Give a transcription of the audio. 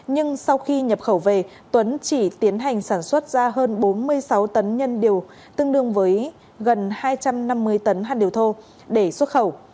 nhưng sau khi nhập khẩu về tuấn chỉ tiến hành sản xuất ra hơn bốn mươi sáu tấn nhân điều tương đương với gần hai trăm năm mươi tấn hạt điều thô để xuất khẩu